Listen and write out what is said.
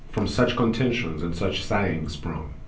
From such contentions and such sighings sprung!